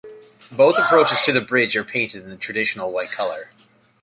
Both approaches to the bridge are painted in the traditional white color.